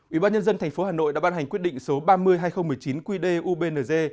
ủy ban nhân dân thành phố hà nội đã ban hành quyết định số ba trăm linh hai nghìn một mươi chín qd ubnz